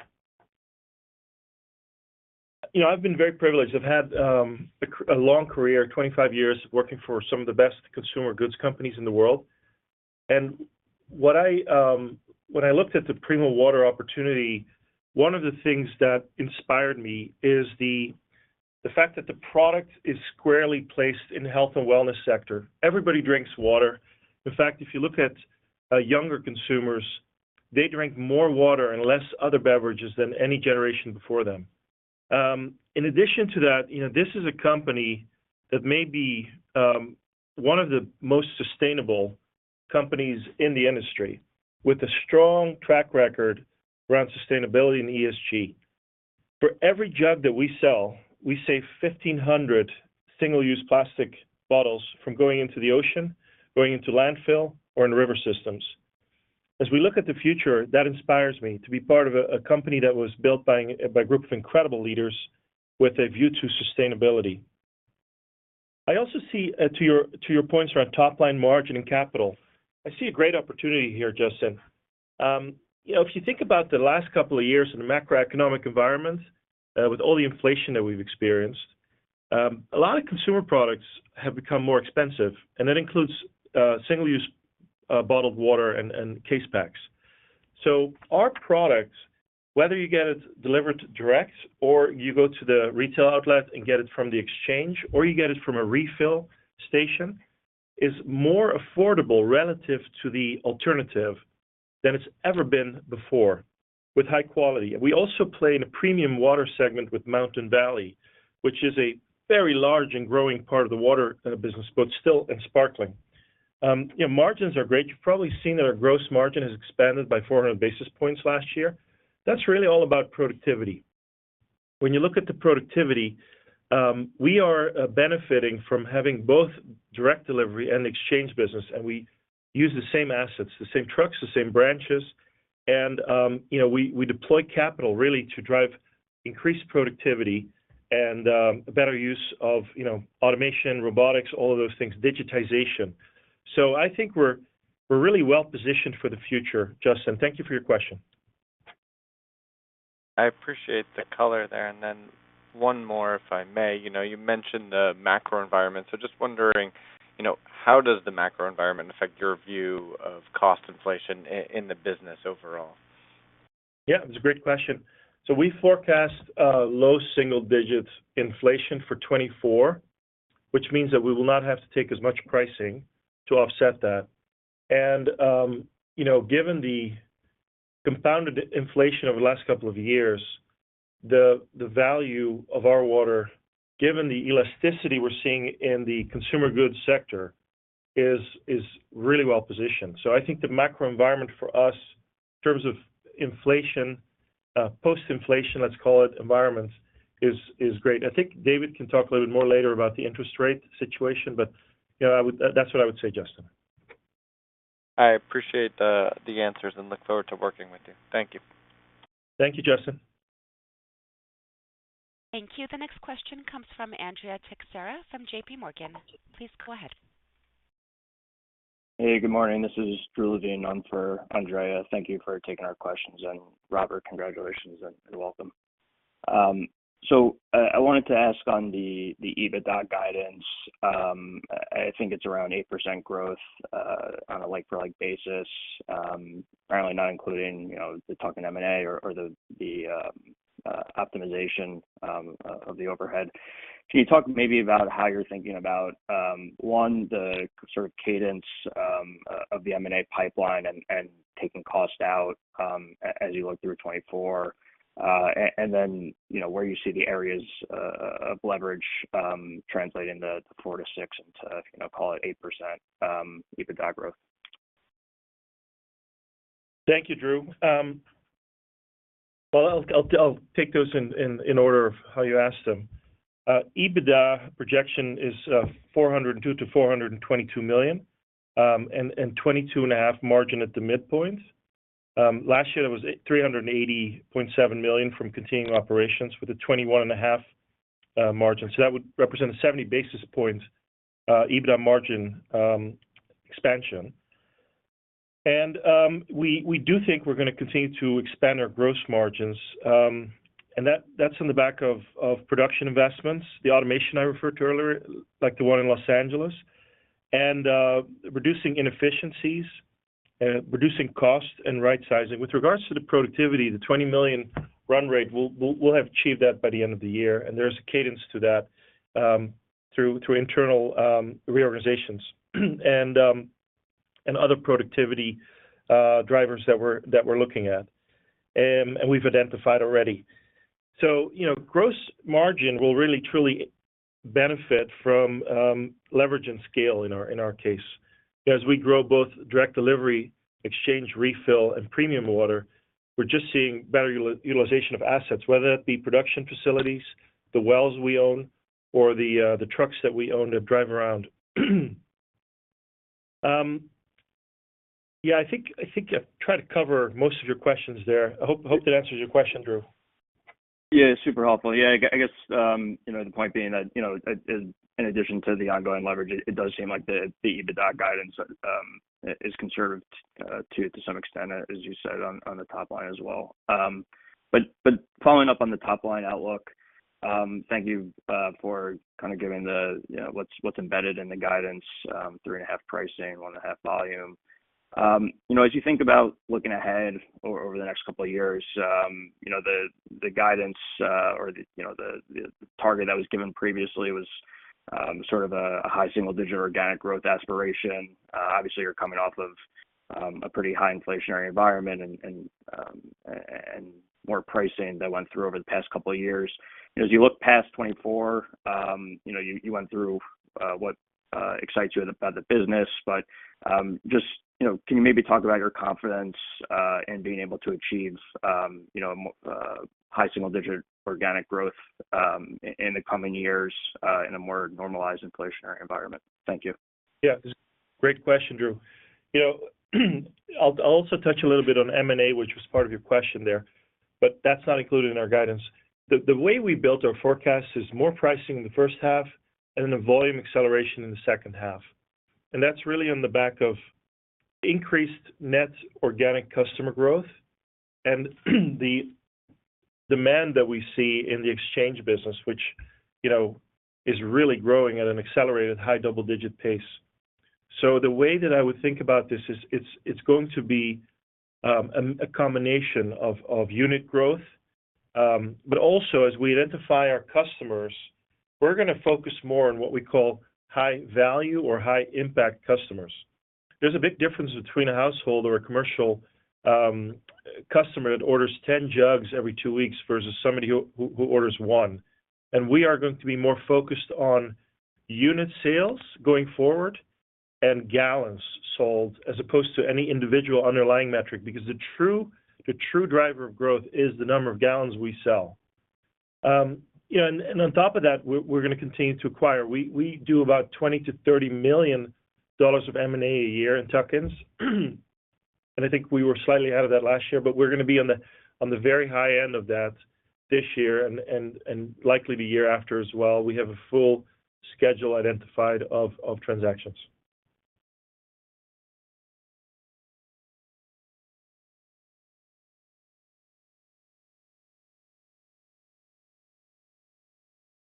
I've been very privileged. I've had a long career, 25 years working for some of the best consumer goods companies in the world. And when I looked at the Primo Water opportunity, one of the things that inspired me is the fact that the product is squarely placed in the health and wellness sector. Everybody drinks water. In fact, if you look at younger consumers, they drank more water and less other beverages than any generation before them. In addition to that, this is a company that may be one of the most sustainable companies in the industry with a strong track record around sustainability and ESG. For every jug that we sell, we save 1,500 single-use plastic bottles from going into the ocean, going into landfill, or in river systems. As we look at the future, that inspires me to be part of a company that was built by a group of incredible leaders with a view to sustainability. I also see, to your points around top-line margin and capital, I see a great opportunity here, Justin. If you think about the last couple of years in the macroeconomic environment with all the inflation that we've experienced, a lot of consumer products have become more expensive, and that includes single-use bottled water and case packs. So our products, whether you get it delivered direct or you go to the retail outlet and get it from the exchange or you get it from a refill station, is more affordable relative to the alternative than it's ever been before with high quality. We also play in a premium water segment with Mountain Valley, which is a very large and growing part of the water business but still sparkling. Margins are great. You've probably seen that our gross margin has expanded by 400 basis points last year. That's really all about productivity. When you look at the productivity, we are benefiting from having both direct delivery and exchange business, and we use the same assets, the same trucks, the same branches. And we deploy capital really to drive increased productivity and better use of automation, robotics, all of those things, digitization. So I think we're really well-positioned for the future, Justin. Thank you for your question. I appreciate the color there. Then one more, if I may. You mentioned the macro environment. Just wondering, how does the macro environment affect your view of cost inflation in the business overall? Yeah. It's a great question. So we forecast low single-digit inflation for 2024, which means that we will not have to take as much pricing to offset that. And given the compounded inflation over the last couple of years, the value of our water, given the elasticity we're seeing in the consumer goods sector, is really well-positioned. So I think the macro environment for us, in terms of inflation, post-inflation, let's call it, environments, is great. I think David can talk a little bit more later about the interest rate situation, but that's what I would say, Justin. I appreciate the answers and look forward to working with you. Thank you. Thank you, Justin. Thank you. The next question comes from Andrea Teixeira from J.P. Morgan. Please go ahead. Hey. Good morning. This is Drew Levine for Andrea. Thank you for taking our questions. And Robbert, congratulations and welcome. So I wanted to ask on the EBITDA guidance. I think it's around 8% growth on a like-for-like basis, apparently not including the tuck-in M&A or the optimization of the overhead. Can you talk maybe about how you're thinking about, one, the sort of cadence of the M&A pipeline and taking cost out as you look through 2024, and then where you see the areas of leverage translating the 4%-6% and to, call it, 8% EBITDA growth? Thank you, Drew. Well, I'll take those in order of how you asked them. EBITDA projection is $402 million-$422 million and 22.5% margin at the midpoint. Last year, that was $380.7 million from continuing operations with a 21.5% margin. So that would represent a 70 basis points EBITDA margin expansion. And we do think we're going to continue to expand our gross margins. And that's in the back of production investments, the automation I referred to earlier, like the one in Los Angeles, and reducing inefficiencies, reducing cost, and right-sizing. With regards to the productivity, the $20 million run rate, we'll have achieved that by the end of the year. And there's a cadence to that through internal reorganizations and other productivity drivers that we're looking at and we've identified already. So gross margin will really, truly benefit from leverage and scale in our case. As we grow both direct delivery, exchange, refill, and premium water, we're just seeing better utilization of assets, whether it be production facilities, the wells we own, or the trucks that we own that drive around. Yeah. I think I've tried to cover most of your questions there. I hope that answers your question, Drew. Yeah. Super helpful. Yeah. I guess the point being that in addition to the ongoing leverage, it does seem like the EBITDA guidance is conservative to it to some extent, as you said, on the top line as well. But following up on the top-line outlook, thank you for kind of giving what's embedded in the guidance: 3.5 pricing, 1.5 volume. As you think about looking ahead over the next couple of years, the guidance or the target that was given previously was sort of a high single-digit organic growth aspiration. Obviously, you're coming off of a pretty high inflationary environment and more pricing that went through over the past couple of years. As you look past 2024, you went through what excites you about the business. But just can you maybe talk about your confidence in being able to achieve high single-digit organic growth in the coming years in a more normalized inflationary environment? Thank you. Yeah. Great question, Drew. I'll also touch a little bit on M&A, which was part of your question there, but that's not included in our guidance. The way we built our forecast is more pricing in the first half and then a volume acceleration in the second half. And that's really on the back of increased net organic customer growth and the demand that we see in the exchange business, which is really growing at an accelerated high double-digit pace. So the way that I would think about this is it's going to be a combination of unit growth. But also, as we identify our customers, we're going to focus more on what we call high value or high impact customers. There's a big difference between a household or a commercial customer that orders 10 jugs every two weeks versus somebody who orders one. We are going to be more focused on unit sales going forward and gallons sold as opposed to any individual underlying metric because the true driver of growth is the number of gallons we sell. On top of that, we're going to continue to acquire. We do about $20 million-$30 million of M&A a year in tuck-ins. I think we were slightly out of that last year, but we're going to be on the very high end of that this year and likely the year after as well. We have a full schedule identified of transactions.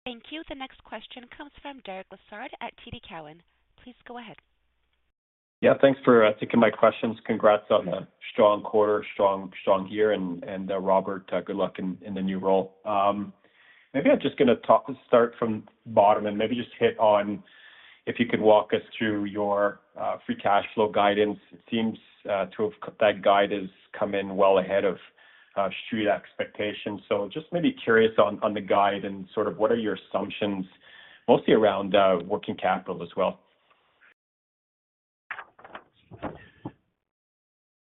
Thank you. The next question comes from Derek Lessard at TD Cowen. Please go ahead. Yeah. Thanks for taking my questions. Congrats on a strong quarter, strong year, and Robbert, good luck in the new role. Maybe I'm just going to start from the bottom and maybe just hit on if you could walk us through your free cash flow guidance. It seems to have that guide has come in well ahead of Street expectations. So just maybe curious on the guide and sort of what are your assumptions, mostly around working capital as well?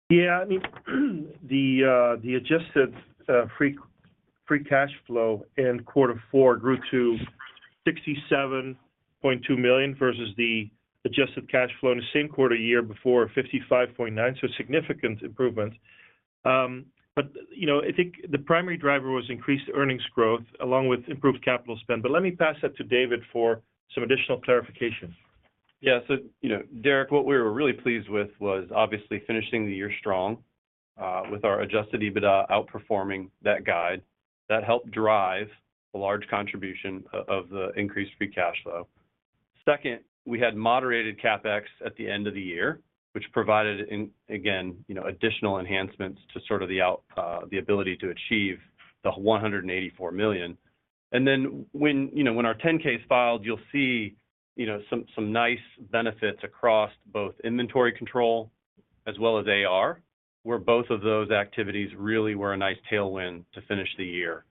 Yeah. I mean, the Adjusted Free Cash Flow in quarter four grew to $67.2 million versus the adjusted cash flow in the same quarter year before of $55.9 million. So significant improvement. But I think the primary driver was increased earnings growth along with improved capital spend. But let me pass that to David for some additional clarification. Yeah. So Derek, what we were really pleased with was obviously finishing the year strong with our Adjusted EBITDA outperforming that guide. That helped drive a large contribution of the increased free cash flow. Second, we had moderated CapEx at the end of the year, which provided, again, additional enhancements to sort of the ability to achieve the $184 million. And then when our 10-K is filed, you'll see some nice benefits across both inventory control as well as AR, where both of those activities really were a nice tailwind to finish the year.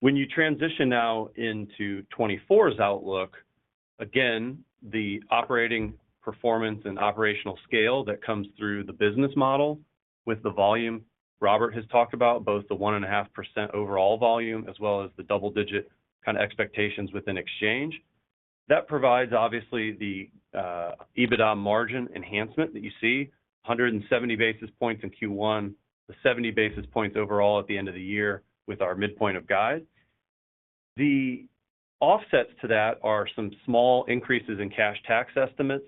When you transition now into 2024's outlook, again, the operating performance and operational scale that comes through the business model with the volume Robbert has talked about, both the 1.5% overall volume as well as the double-digit kind of expectations within exchange, that provides, obviously, the EBITDA margin enhancement that you see: 170 basis points in Q1, the 70 basis points overall at the end of the year with our midpoint of guide. The offsets to that are some small increases in cash tax estimates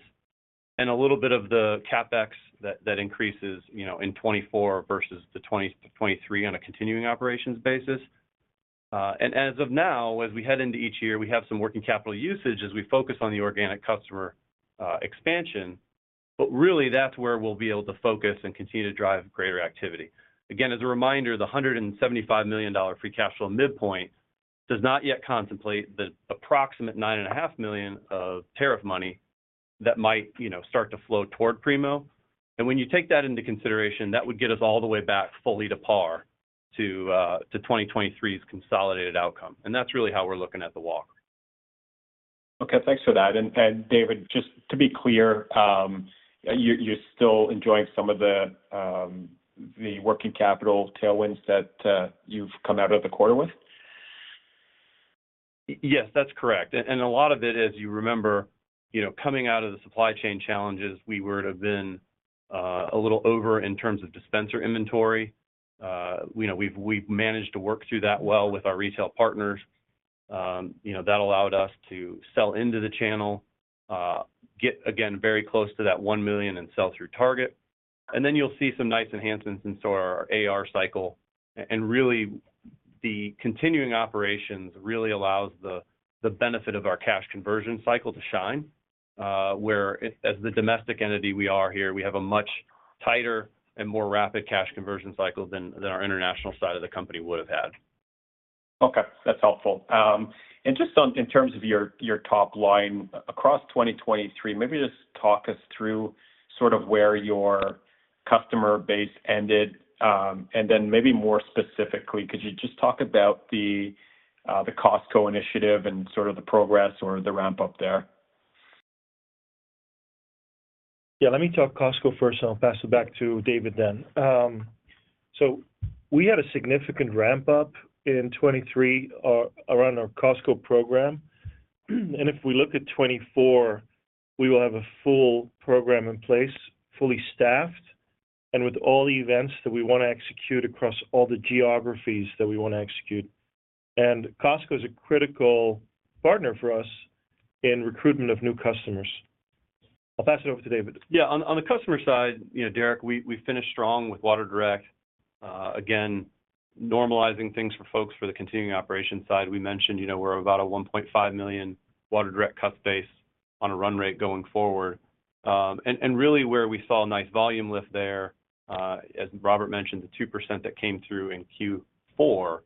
and a little bit of the CapEx that increases in 2024 versus the 2023 on a continuing operations basis. And as of now, as we head into each year, we have some working capital usage as we focus on the organic customer expansion. But really, that's where we'll be able to focus and continue to drive greater activity. Again, as a reminder, the $175 million free cash flow midpoint does not yet contemplate the approximate $9.5 million of tariff money that might start to flow toward Primo. And when you take that into consideration, that would get us all the way back fully to par to 2023's consolidated outcome. And that's really how we're looking at the walk. Okay. Thanks for that. David, just to be clear, you're still enjoying some of the working capital tailwinds that you've come out of the quarter with? Yes. That's correct. And a lot of it, as you remember, coming out of the supply chain challenges, we would have been a little over in terms of dispenser inventory. We've managed to work through that well with our retail partners. That allowed us to sell into the channel, get, again, very close to that 1 million sell-through target. And then you'll see some nice enhancements in sort of our AR cycle. And really, the continuing operations really allows the benefit of our cash conversion cycle to shine, whereas the domestic entity we are here, we have a much tighter and more rapid cash conversion cycle than our international side of the company would have had. Okay. That's helpful. And just in terms of your top line across 2023, maybe just talk us through sort of where your customer base ended. And then maybe more specifically, could you just talk about the Costco initiative and sort of the progress or the ramp-up there? Yeah. Let me talk Costco first, and I'll pass it back to David then. We had a significant ramp-up in 2023 around our Costco program. If we look at 2024, we will have a full program in place, fully staffed, and with all the events that we want to execute across all the geographies that we want to execute. Costco is a critical partner for us in recruitment of new customers. I'll pass it over to David. Yeah. On the customer side, Derek, we finished strong with Water Direct. Again, normalizing things for folks for the continuing operations side, we mentioned we're about a 1.5 million Water Direct customer base on a run rate going forward. And really, where we saw a nice volume lift there, as Robbert mentioned, the 2% that came through in Q4.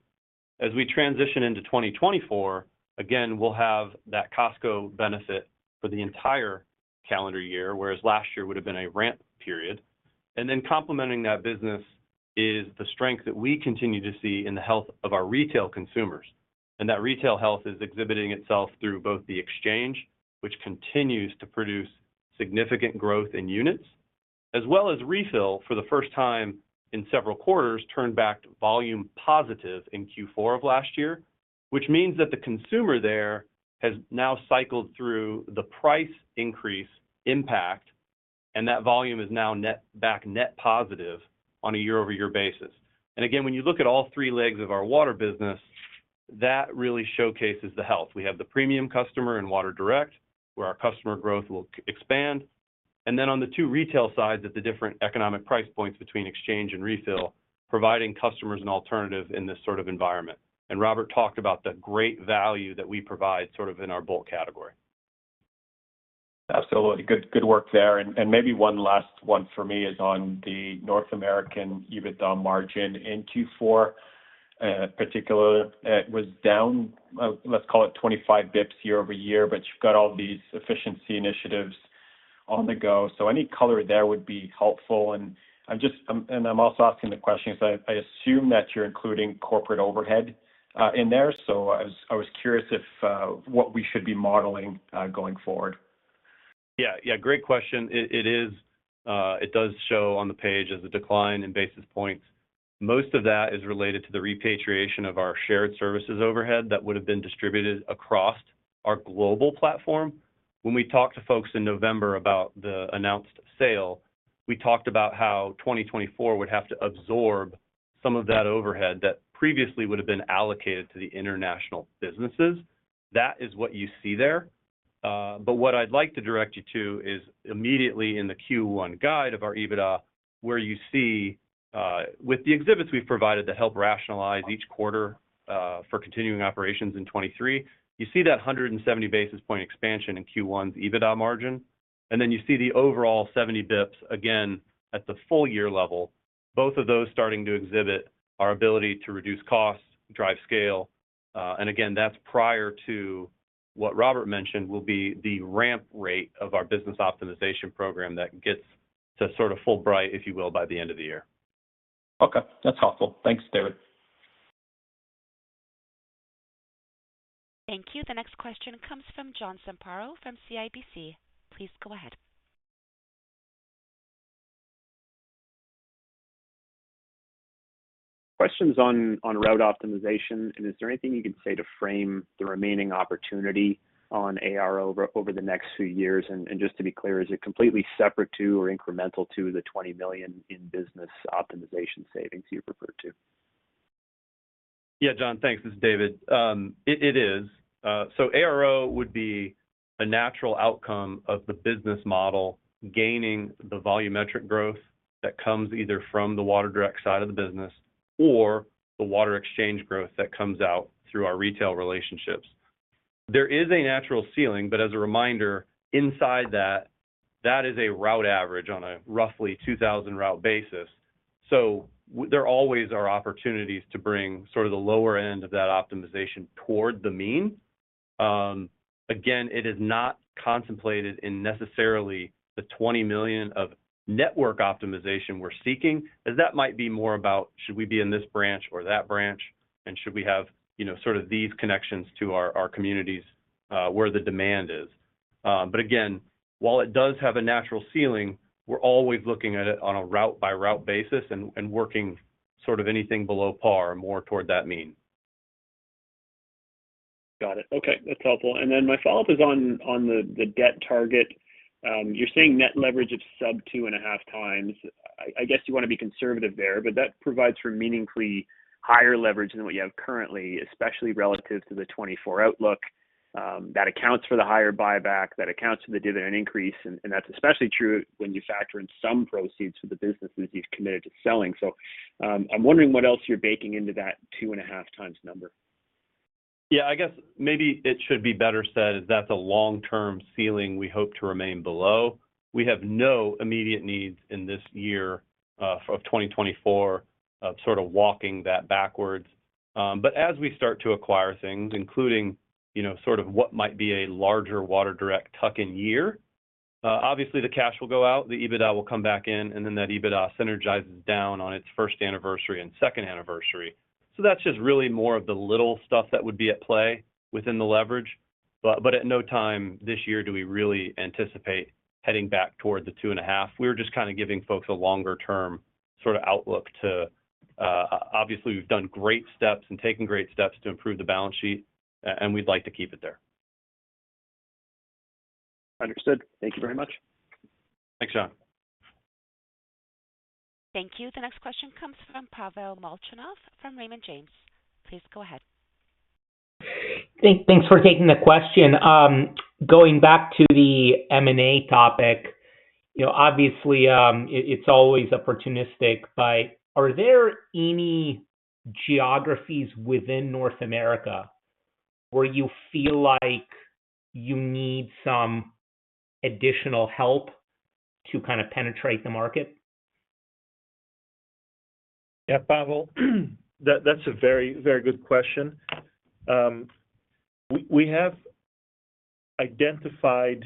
As we transition into 2024, again, we'll have that Costco benefit for the entire calendar year, whereas last year would have been a ramp period. And then complementing that business is the strength that we continue to see in the health of our retail consumers. And that retail health is exhibiting itself through both the exchange, which continues to produce significant growth in units, as well as refill for the first time in several quarters turned back volume positive in Q4 of last year, which means that the consumer there has now cycled through the price increase impact, and that volume is now back net positive on a year-over-year basis. And again, when you look at all three legs of our water business, that really showcases the health. We have the premium customer in Water Direct, where our customer growth will expand. And then on the two retail sides at the different economic price points between exchange and refill, providing customers an alternative in this sort of environment. And Robbert talked about the great value that we provide sort of in our bulk category. Absolutely. Good work there. And maybe one last one for me is on the North American EBITDA margin in Q4, particularly. It was down, let's call it, 25 basis points year-over-year, but you've got all these efficiency initiatives on the go. So any color there would be helpful. And I'm also asking the question because I assume that you're including corporate overhead in there. So I was curious what we should be modeling going forward. Yeah. Yeah. Great question. It does show on the page as a decline in basis points. Most of that is related to the repatriation of our shared services overhead that would have been distributed across our global platform. When we talked to folks in November about the announced sale, we talked about how 2024 would have to absorb some of that overhead that previously would have been allocated to the international businesses. That is what you see there. But what I'd like to direct you to is immediately in the Q1 guide of our EBITDA, where you see, with the exhibits we've provided that help rationalize each quarter for continuing operations in 2023, you see that 170 basis points expansion in Q1's EBITDA margin. And then you see the overall 70 basis points, again, at the full year level, both of those starting to exhibit our ability to reduce costs, drive scale. And again, that's prior to what Robbert mentioned will be the ramp rate of our business optimization program that gets to sort of full stride, if you will, by the end of the year. Okay. That's helpful. Thanks, David. Thank you. The next question comes from John Zamparo from CIBC. Please go ahead. Questions on route optimization. Is there anything you could say to frame the remaining opportunity on ARO over the next few years? Just to be clear, is it completely separate to or incremental to the $20 million in business optimization savings you've referred to? Yeah, John. Thanks. This is David. It is. So ARO would be a natural outcome of the business model gaining the volumetric growth that comes either from the WaterDirect side of the business or the Water Exchange growth that comes out through our retail relationships. There is a natural ceiling. But as a reminder, inside that, that is a route average on a roughly 2,000-route basis. So there always are opportunities to bring sort of the lower end of that optimization toward the mean. Again, it is not contemplated in necessarily the $20 million of network optimization we're seeking, as that might be more about, should we be in this branch or that branch, and should we have sort of these connections to our communities where the demand is. But again, while it does have a natural ceiling, we're always looking at it on a route-by-route basis and working sort of anything below par more toward that mean. Got it. Okay. That's helpful. And then my follow-up is on the debt target. You're saying net leverage of sub-2.5x. I guess you want to be conservative there, but that provides for meaningfully higher leverage than what you have currently, especially relative to the 2024 outlook. That accounts for the higher buyback. That accounts for the dividend increase. And that's especially true when you factor in some proceeds for the businesses you've committed to selling. So I'm wondering what else you're baking into that 2.5x number. Yeah. I guess maybe it should be better said is that's a long-term ceiling we hope to remain below. We have no immediate needs in this year of 2024 of sort of walking that backwards. But as we start to acquire things, including sort of what might be a larger Water Direct tuck-in year, obviously, the cash will go out. The EBITDA will come back in. And then that EBITDA synergizes down on its first anniversary and second anniversary. So that's just really more of the little stuff that would be at play within the leverage. But at no time this year do we really anticipate heading back toward the 2.5. We're just kind of giving folks a longer-term sort of outlook to obviously, we've done great steps and taken great steps to improve the balance sheet, and we'd like to keep it there. Understood. Thank you very much. Thanks, John. Thank you. The next question comes from Pavel Molchanov from Raymond James. Please go ahead. Thanks for taking the question. Going back to the M&A topic, obviously, it's always opportunistic. But are there any geographies within North America where you feel like you need some additional help to kind of penetrate the market? Yeah, Pavel. That's a very, very good question. We have identified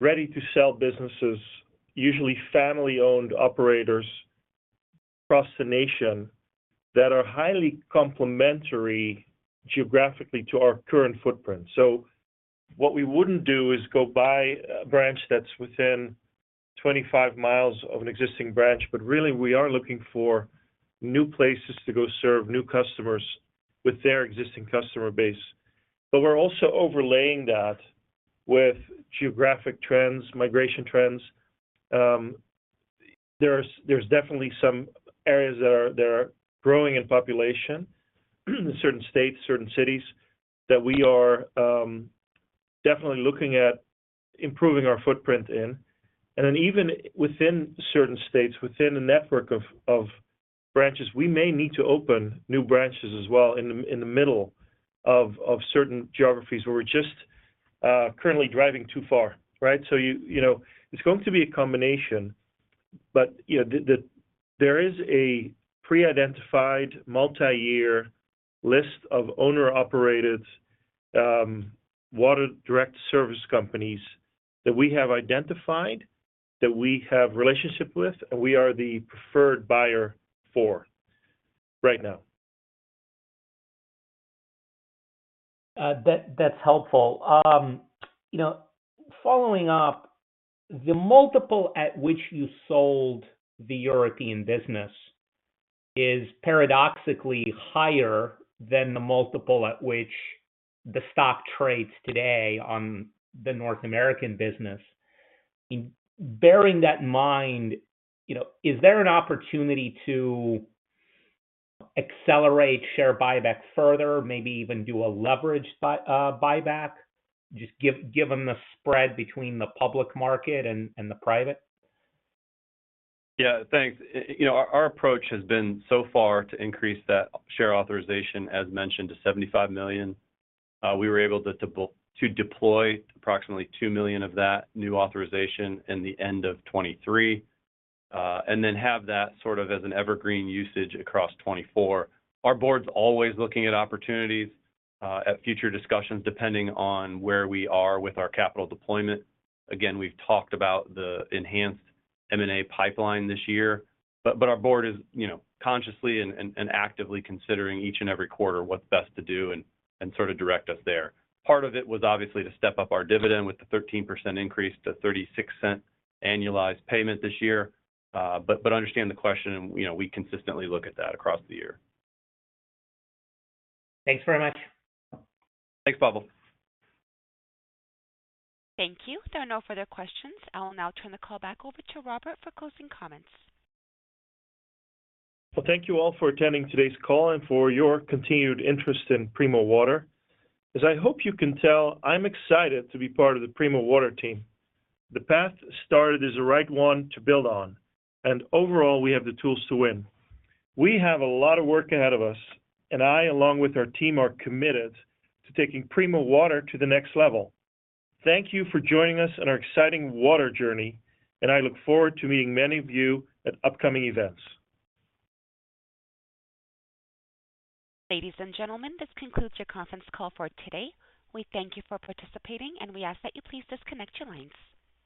ready-to-sell businesses, usually family-owned operators across the nation, that are highly complementary geographically to our current footprint. So what we wouldn't do is go buy a branch that's within 25 miles of an existing branch. But really, we are looking for new places to go serve new customers with their existing customer base. But we're also overlaying that with geographic trends, migration trends. There's definitely some areas that are growing in population, certain states, certain cities, that we are definitely looking at improving our footprint in. And then even within certain states, within the network of branches, we may need to open new branches as well in the middle of certain geographies where we're just currently driving too far, right? So it's going to be a combination. But there is a pre-identified multi-year list of owner-operated Water Direct service companies that we have identified, that we have a relationship with, and we are the preferred buyer for right now. That's helpful. Following up, the multiple at which you sold the European business is paradoxically higher than the multiple at which the stock trades today on the North American business. Bearing that in mind, is there an opportunity to accelerate share buyback further, maybe even do a leveraged buyback, just given the spread between the public market and the private? Yeah. Thanks. Our approach has been so far to increase that share authorization, as mentioned, to 75 million. We were able to deploy approximately 2 million of that new authorization in the end of 2023 and then have that sort of as an evergreen usage across 2024. Our board's always looking at opportunities at future discussions depending on where we are with our capital deployment. Again, we've talked about the enhanced M&A pipeline this year. But our board is consciously and actively considering each and every quarter what's best to do and sort of direct us there. Part of it was obviously to step up our dividend with the 13% increase to $0.36 annualized payment this year. But understand the question, and we consistently look at that across the year. Thanks very much. Thanks, Pavel. Thank you. There are no further questions. I will now turn the call back over to Robbert for closing comments. Well, thank you all for attending today's call and for your continued interest in Primo Water. As I hope you can tell, I'm excited to be part of the Primo Water team. The path started is the right one to build on, and overall, we have the tools to win. We have a lot of work ahead of us, and I, along with our team, are committed to taking Primo Water to the next level. Thank you for joining us on our exciting water journey, and I look forward to meeting many of you at upcoming events. Ladies and gentlemen, this concludes your conference call for today. We thank you for participating, and we ask that you please disconnect your lines.